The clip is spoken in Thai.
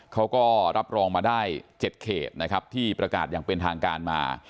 เขาก็รับรองมาได้๗เขตนะครับที่ประกาศอย่างเป็นทางการมา